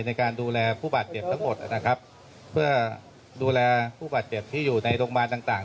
ในการดูแลผู้บาดเจ็บทั้งหมดนะครับเพื่อดูแลผู้บาดเจ็บที่อยู่ในโรงพยาบาลต่างต่าง